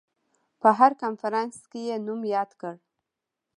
په هر کنفرانس کې یې نوم یاد کړ.